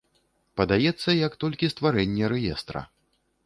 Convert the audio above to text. Падаецца як толькі стварэнне рэестра.